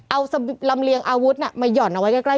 เอาสครำเรียงอาวุธนะมาหย่อนเอาไว้ใกล้ใกล้